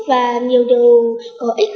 và nhiều điều có ích cho cuộc sống của mình